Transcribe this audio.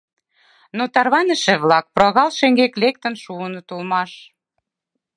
Но тарваныше-влак прогал шеҥгек лектын шуыныт улмаш.